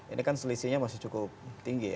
ini kan selisihnya masih cukup tinggi ya